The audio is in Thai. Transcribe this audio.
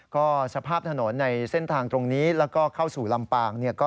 ก็สภาพถนนในเส้นทางตรงนี้แล้วก็เข้าสู่ลำปาง